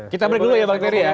kita break dulu ya bang ferry ya